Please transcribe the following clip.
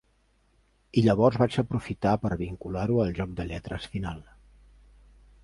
I llavors vaig aprofitar per vincular-ho al joc de lletres final.